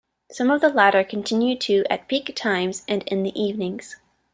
Some of the latter continue to at peak times and in the evenings.